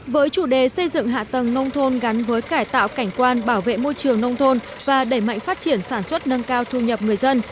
với chủ đề xây dựng hạ tầng nông thôn gắn với cải tạo cảnh quan bảo vệ môi trường nông thôn và đẩy mạnh phát triển sản xuất nâng cao thu nhập người dân